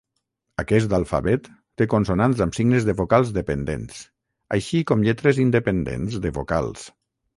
Aquest alfabet té consonants amb signes de vocals dependents, així com lletres independents de vocals.